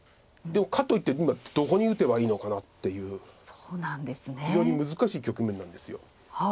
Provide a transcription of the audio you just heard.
でもかといって今どこに打てばいいのかなっていう非常に難しい局面なんです。